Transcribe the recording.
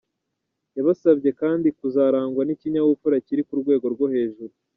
Yabasabye kandi kuzarangwa n’ikinyabupfura kiri ku rwego rwo hejuru.